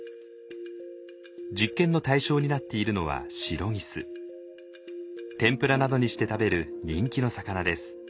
実験の対象になっているのは天ぷらなどにして食べる人気の魚です。